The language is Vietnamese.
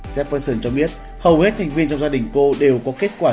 jackersson cho biết hầu hết thành viên trong gia đình cô đều có kết quả